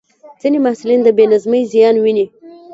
ځینې محصلین د بې نظمۍ زیان ویني.